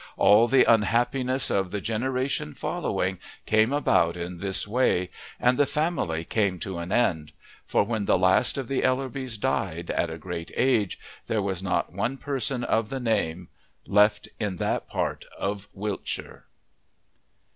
All the unhappiness of the "generation following" came about in this way, and the family came to an end; for when the last of the Ellerbys died at a great age there was not one person of the name left in that part of Wiltshire.